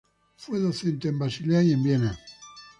Fue docente en Basilea y en Viena.